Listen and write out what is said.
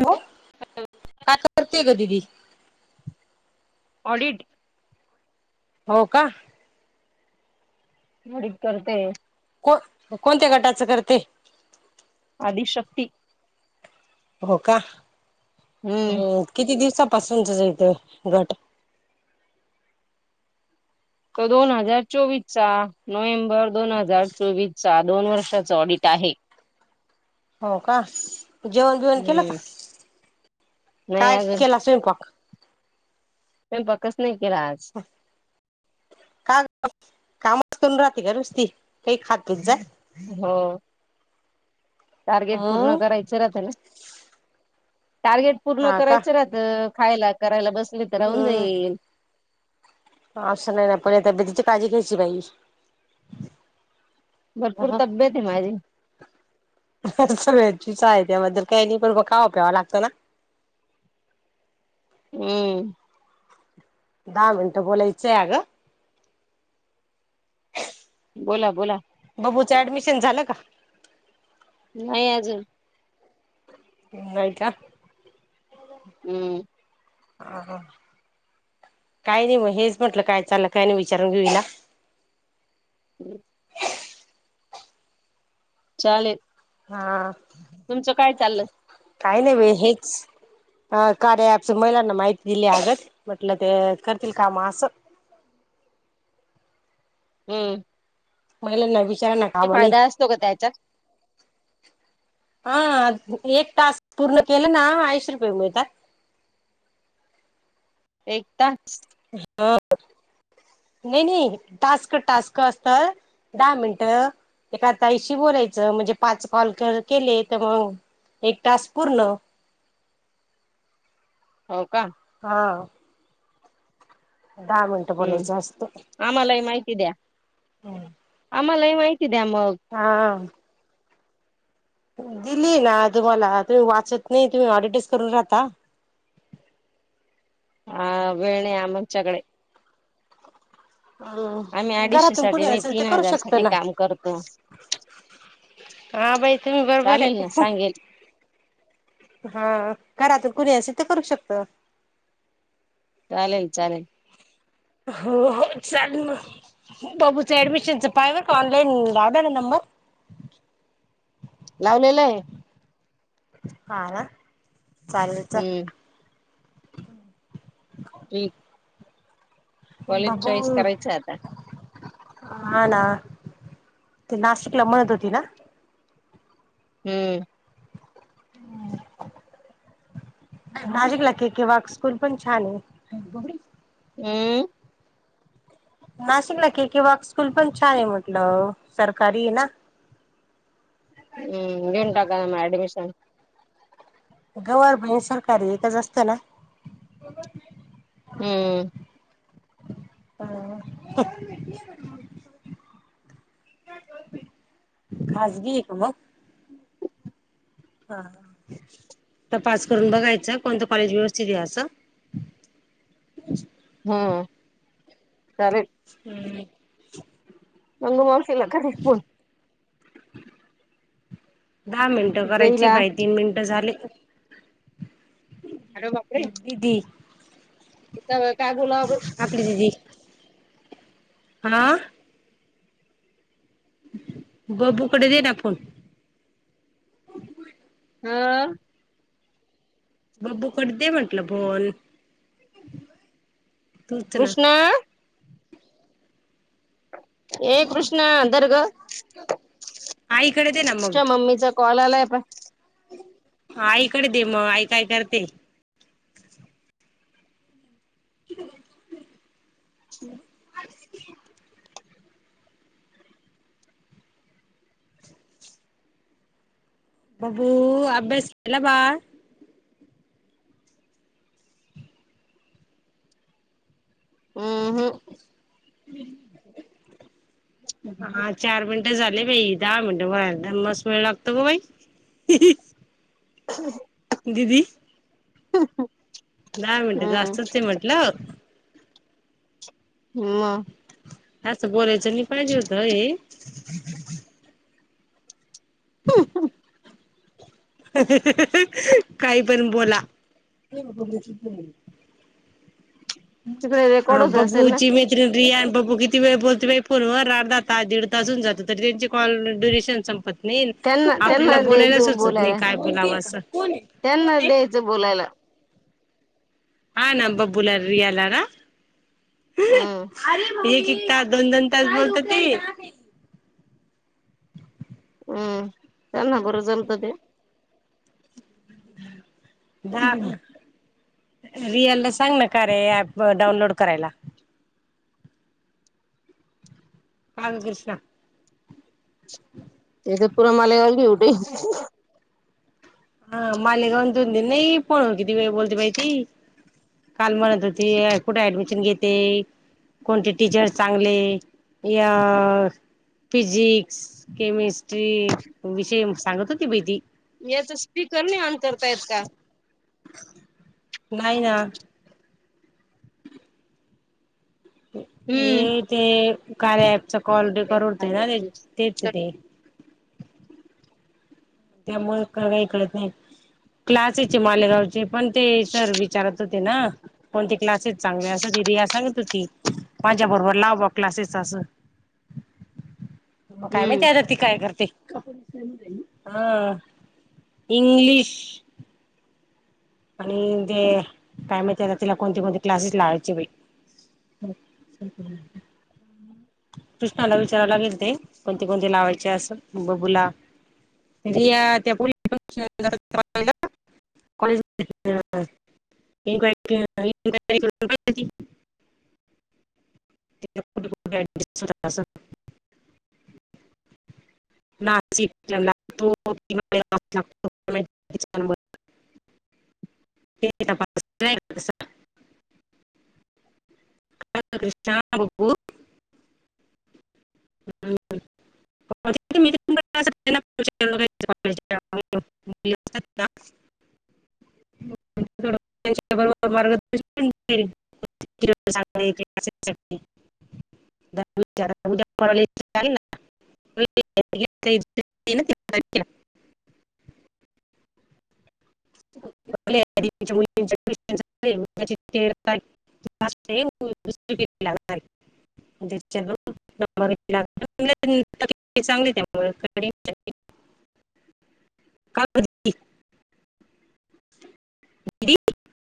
Hello, [unintelligible] करते गं दीदी ऑडिट हो का? मी करते. को कोणत्या गटाचं करते? आदिशक्ती हो का. हम्म किती दिवसा पासूनचच येतंय घाट तो दोन हजार चोवीसचा, नोव्हेंबर दोन हजार चोवीस. चा दोन वर्षाच ऑडिट आहे. हो का? जेवण बिवण केलं का? हम्म नाही काय अजून केला स्वयंपाक? [unintelligible] नाही. केला आज. [unintelligible] कामच करून राहती का नुसती? काही खात पित जा. हो. टार्गेट पूर्ण हम्म करायचं राहतं ना? टार्गेट पूर्ण हा का करायचं राहतं. खायला करायला बस ली तर राहून हम्म जाईल. असं नाही ना पण या तब्येतीची काळजी घ्यायची बाई. भरपूर ह तब्येत आहे माझी. [unintelligible] त्याबद्दल काही नाही पण खावं प्यावं लागतं ना? हम्म. दहा मिनिटं बोलायचं आहे अगं. बोला बोला. [unintelligible] ऍडमिशन झालं का? नाही अजून. होय का? हम्म. हां हां काही नाही म हेच म्हंटलं काय चाललं काय नाही विचारून घेऊया? हम्म. चालेल. हां. तुमचं काय चाललं? काही नाही बाई हेच कार्याच महिलांना माहिती दिली आगत म्हटलं ते करतील काम असं. हम्म. महिला नवी फायदा असतो का त्याचात? हां एक टास्क पूर्ण केलं ना ऐंशी रुपये मिळतात. [unintelligible] [unintelligible] नाही नाही, टास्क टास्क असतं दहा मिनिटं एका ताईशी बोलायचं म्हणजे पाच कॉल क केले तर मग एक टास्क पूर्ण. हो का? हां. दहा मिनिटं बोलायचे असते. ती द्या. हम्म. मलाही माहि हां. दिली ना तुम्हाला तुम्ही वाचत नाही तुम्ही [unintelligible] करू राहता. हां वेळ नाई आमच्याकडे. आम्ही हम्म अडीचशे घरातून साठी कुणी नाही असल तर तीन करू हजार साठी शकतं ना काम करतो हां बाई बरोबर चालेल ना आहे. सांगेल हां घरातून कुणी असेल तर करू शकतं. चालेल चालेल. हो हो चालू मग बाबूचं ऍडमिशनच पहा बरं का ऑनलाईन [unintelligible] लावलेलं आहे. [unintelligible] चालुये चालू हम्म [unintelligible] कॉलेज चॉईस करायचं आहे आता. हां ना ती नाशिकला म्हणत होती ना? हम्म. [unintelligible] किंवा स्कूल पण छान आहे. [unintelligible] हम्म. नाशिकला के के वाक स्कूल पण छान आहे म्हटलं सरकारी आहे ना. हम्म घेऊन टाका ना म ऍडमिशन. [unintelligible] सरकारी एकच असते ना? हम्म [unintelligible] खाजगी हे का मग? हां हां तपास करून बघायचं कोणतं कॉलेज व्यवस्थित आहे असं. हो चालेल. हम्म. गंगा मा [unintelligible] दहा मिनिटं करायची आहे देईला बाई तीन मिनिटं झाले. [inaudible] अरे बापरे! [unintelligible] दिदी काय बोलावं अजून? हां? [unintelligible] दे ना फोन. हं? बबूकडं दे म्हटलं फोन. तूच ना [unintelligible] ये कृष्णा धर गं आईकडे दे ना मग. तुच्या मम्मीचा कॉल आलाय [unintelligible] आईकडे दे मग आई काय करते? [inaudible] बबू अभ्यास केला बाळ? अम्म हं. हा चार मिनटं झाले बाई दहा मिनटं बदम [unintelligible] मस वेळ लागतो ग बाई दिदी हा हा [unintelligible] दहा मिनटे जास्तच ये म्हटलं म असं बोलायचं नाही पाहिजे होतं हो हे ह [unintelligible] काही पण बोला तिकडे रेकॉर्ड हा होत असेल ना बब्बूची मत्री रिया आणि बब्बू किती वेळ बोल तुम्ही फोनवर अर्धा तास दीड तास होऊन जातात तर यांची कॉल दूरदर्शन संपत नाही नाही त्यांना आपल्याला त्यांना बोलायला द्यायचं सुचत नाही बोलायला काय बोलावं असं त्यांना द्यायचं बोलायला हा ना ब्बुला रियाला ना हम्म एक एक तास दोन दोन तास बोलत ते हम्म त्यांना बरं जमतं ते थांब रिअल ला सांग ना कार्या ऍप डाउनलोड करायला बाळकृष्ण तूर मला घेवठे [unintelligible] मालेगाव बोलते बाई ती किती वेळ बोलते बाई ती काल म्हणत होती कुठे ऍडमिशन घेते कोणते टीचर चांगले या फिजिक्स केमिस्ट्री विषय सांगत होती बाहिती याच स्पीकर नाही ऑन करता येत का नाही ना हे हम्म ते कार्या ॲप कॉल करडते ना ते तेच ते [unintelligible] त्यामुळे काही कळत नाही क्लासेचे मालेगावचे [unintelligible] पण ते सर विचारत ना कोणती क्लासेस चांगले अस ती रिया सांगत होती माझ्या बरोबर लाव बा क्लासेस अस मग काय हम्म माहिती आता ती काय करते कापसय [unintelligible] हा इंग्लिश आणि ते काय माहिती तिला कोणते कोणते क्लासेस लावायचे बाई कृष्णाला विचारा लागेल ते कोणते कोणते लावायचे अस बबूला इनवायरी इनयरी कठ कुठ लागतो [unintelligible] ते तपास ानप्पू [unintelligible] रोबर मार्ग उद्याला [unintelligible] मुणार चांग त्यामु का [unintelligible] हडी [unintelligible]